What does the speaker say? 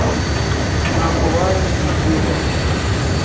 Ntabwo bazi ibyo bavuga.